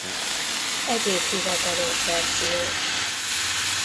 Egyéb hivatalos verzió